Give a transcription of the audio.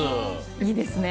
いいですね！